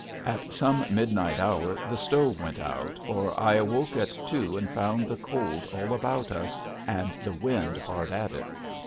At some midnight hour the stove went out for I awoke at two and found the cold all about us and the wind hard at it.